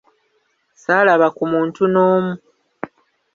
Saalaba ku muntu n'omu.